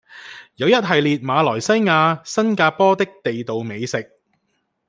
有一系列馬來西亞、新加坡的地道美食